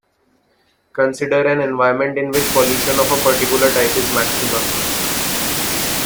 Consider an environment in which pollution of a particular type is maximum.